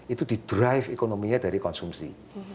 itu di drive ekonominya dari konsumsi